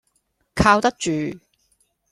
靠得住